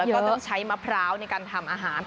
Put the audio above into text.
ก็ต้องใช้มะพร้าวในการทำอาหาร